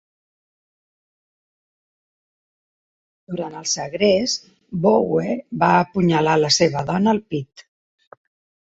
Durant el segrest, Bowe va apunyalar la seva dona al pit.